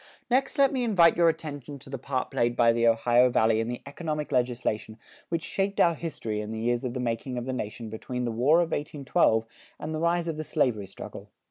Next let me invite your attention to the part played by the Ohio Valley in the economic legislation which shaped our history in the years of the making of the nation between the War of 1812 and the rise of the slavery struggle.